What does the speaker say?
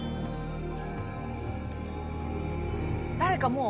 誰かもう。